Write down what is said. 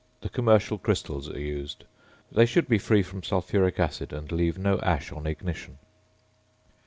The commercial crystals are used; they should be free from sulphuric acid and leave no ash on ignition.